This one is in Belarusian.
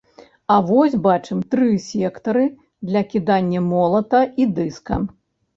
А вось бачым тры сектары для кідання молата і дыска.